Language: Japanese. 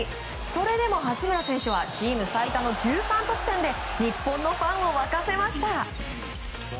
それでも八村選手はチーム最多の１３得点で日本のファンを沸かせました。